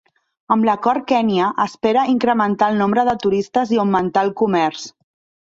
Amb l'acord Kenya espera incrementar el nombre de turistes i augmentar el comerç.